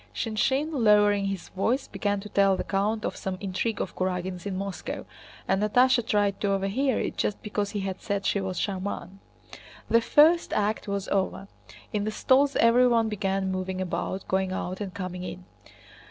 Shinshín, lowering his voice, began to tell the count of some intrigue of Kurágin's in Moscow, and Natásha tried to overhear it just because he had said she was "charmante." The first act was over. In the stalls everyone began moving about, going out and coming in.